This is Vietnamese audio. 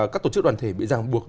các tổ chức đoàn thể bị giang buộc